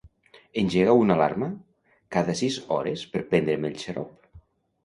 Engega una alarma cada sis hores per prendre'm el xarop.